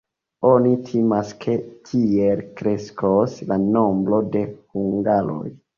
Oni timas, ke tiel kreskos la nombro de hungaroj.